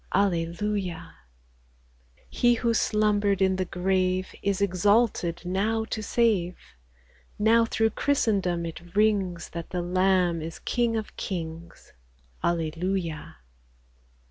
Alleluia ! 3i He who slumbered in the grave Is exalted now to save ; Now through Christendom it rings, That the Lamb is King of kings. Alleluia